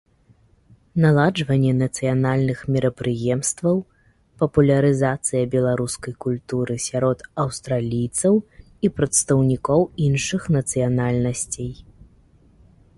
Наладжванне нацыянальных мерапрыемстваў, папулярызацыя беларускай культуры сярод аўстралійцаў і прадстаўнікоў іншых нацыянальнасцей.